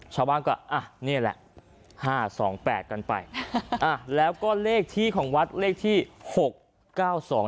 ชาวบ้านก็อ่ะนี่แหละห้าสองแปดกันไปอ่ะแล้วก็เลขที่ของวัดเลขที่หกเก้าสอง